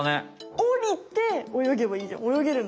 おりておよげばいいじゃん。